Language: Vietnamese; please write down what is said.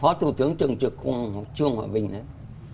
có thủ tướng trường trường trường họa bình đấy